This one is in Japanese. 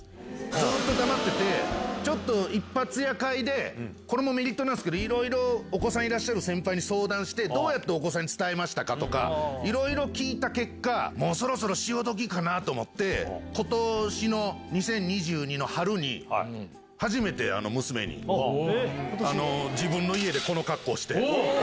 ずーっと黙ってて、ちょっと一発屋会で、これもメリットなんですけど、いろいろ、お子さんいらっしゃる先輩に相談して、どうやってお子さんに伝えましたかとか、いろいろ聞いた結果、もうそろそろ潮時かなって思って、ことしの２０２２の春に、初めて娘に、自分の家でこの格好して。